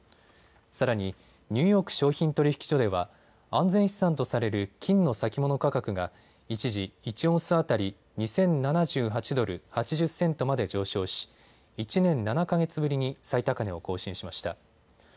さらにニューヨーク商品取引所では安全資産とされる金の先物価格が一時、１オンス当たり２０７８ドル８０セントまで上昇し１年７か月ぶりに最高値を更新しました。